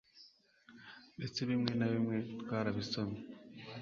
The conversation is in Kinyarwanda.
ndetse bimwe na bimwe twarabisomye